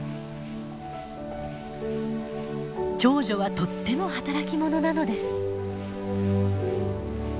長女はとっても働き者なのです。